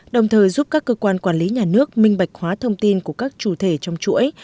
đồng thời giúp các cơ quan quản lý nhà nước minh bạch hóa thông tin của các chủ thể trong chuỗi